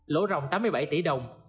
lộ rộng tám mươi bảy tỷ đồng